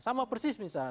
sama persis misalnya